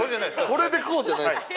これでこうじゃないです。